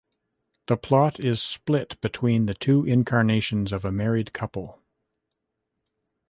The plot is split between the two incarnations of a married couple.